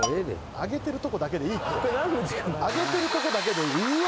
上げてるとこだけでうわ！